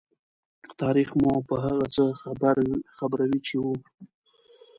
تاریخ مو په هغه څه خبروي چې وو.